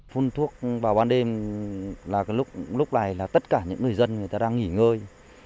phun thuốc vào ban đêm là lúc lúc này là tất cả những người dân người ta đang nghỉ ngơi